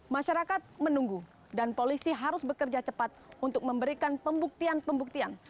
masyarakat menunggu dan polisi harus bekerja cepat untuk memberikan pembuktian pembuktian